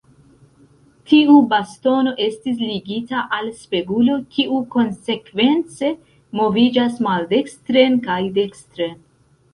Tiu bastono estis ligita al spegulo, kiu konsekvence moviĝas maldekstren kaj dekstren.